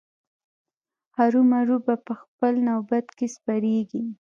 هرو مرو به په خپل نوبت کې سپریږي.